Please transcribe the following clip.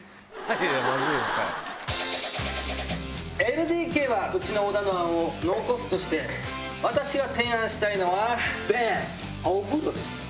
ＬＤＫはうちの小田の案を残すとして私が提案したいのは。